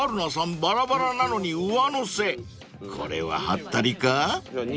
［これははったりか？］